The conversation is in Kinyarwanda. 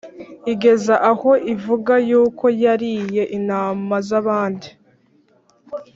igeza aho ivuga yuko yariye intama z'abandi